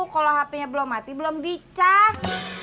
kalo hpnya belum mati belum dicas